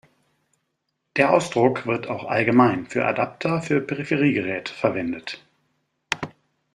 Der Ausdruck wird auch allgemein für Adapter für Peripheriegeräte verwendet.